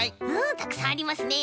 たくさんありますね。